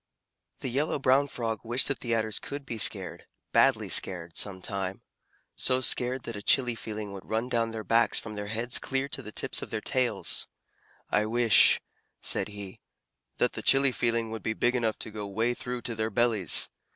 The Yellow Brown Frog wished that the Adders could be scared, badly scared, some time: so scared that a chilly feeling would run down their backs from their heads clear to the tips of their tails. "I wish," said he, "that the chilly feeling would be big enough to go way through to their bellies.